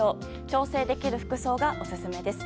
調整できる服装がオススメです。